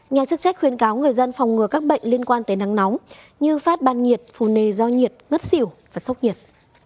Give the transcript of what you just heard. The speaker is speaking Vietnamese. nhà chức trách khuyên cáo người dân phòng ngừa các bệnh liên quan tới nắng nóng như phát ban nhiệt phù nề do nhiệt ngất xỉu và sốc nhiệt